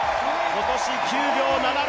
今年９秒７６